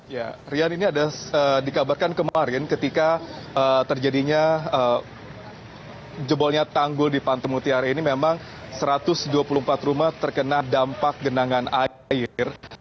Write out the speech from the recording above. ya rian ini ada dikabarkan kemarin ketika terjadinya jebolnya tanggul di pantai mutiara ini memang satu ratus dua puluh empat rumah terkena dampak genangan air